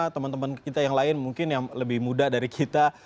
teman teman kita yang lain mungkin yang lebih muda dari kita